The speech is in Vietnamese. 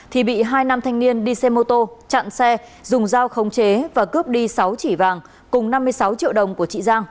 thì bị hai nam thanh niên đi xe mô tô chặn xe dùng dao khống chế và cướp đi sáu chỉ vàng cùng năm mươi sáu triệu đồng của chị giang